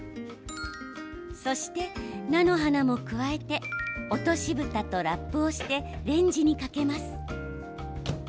そして、菜の花も加えて落としぶたとラップをしてレンジにかけます。